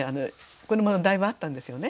これもだいぶあったんですよね。